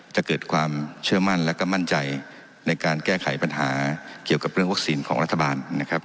จะเกิดความเชื่อมั่นและก็มั่นใจในการแก้ไขปัญหาเกี่ยวกับเรื่องวัคซีนของรัฐบาลนะครับ